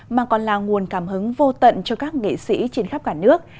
mà còn là nguồn cảm hứng vô tận cho các nghệ sĩ trên khắp cả nước